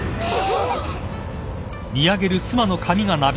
あっ。